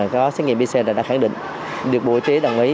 đó xét nghiệm pcr đã khẳng định được bộ y tế đồng ý